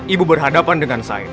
ibu berhadapan dengan saya